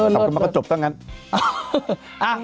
ทำขึ้นมาก็จบตั้งนั้น